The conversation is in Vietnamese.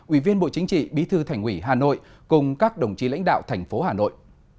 ủy viên bộ chính trị bí thư thành ủy hà nội cùng các đồng chí lãnh đạo thành phố hà nội